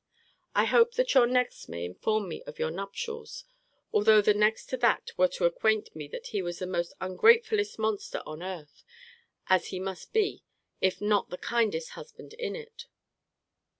I hope that your next may inform me of your nuptials, although the next to that were to acquaint me that he was the most ungratefullest monster on earth; as he must be, if not the kindest husband in it.